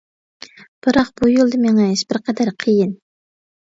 بىراق، بۇ يولدا مېڭىش بىر قەدەر قىيىن.